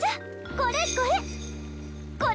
これこれ！